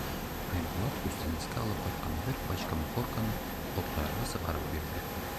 Айбулат күстәнәскә алып ҡайтҡан бер пачка махорканы Ҡотлоярға сығарып бирҙе.